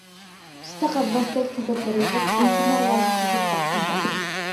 ئۇستا غەۋۋاستەك سەدەپلەر يىغىپ، ئۈنچە-مەرۋايىت سۈزۈپ باققۇم بار.